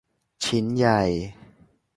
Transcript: ชิ้นใหญ่